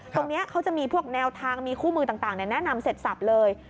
ตรงนี้เขาจะมีพวกแนวทางมีคู่มือต่างแนะนำเสร็จสับเลย